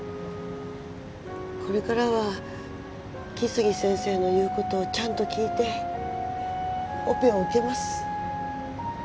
これからは来生先生の言うことをちゃんと聞いてオペを受けます